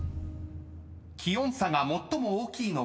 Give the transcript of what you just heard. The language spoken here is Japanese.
［気温差が最も大きいのは何日？］